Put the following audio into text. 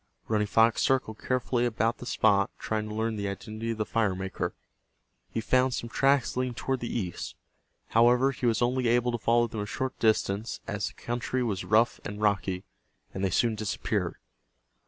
Running Fox circled carefully about the spot, trying to learn the identity of the firemaker. He found some tracks leading toward the east. However, he was only able to follow them a short distance, as the country was rough and rocky, and they soon disappeared.